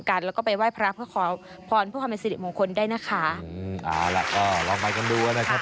ครับแล้วก็ลองมาดูกันดูนะครับ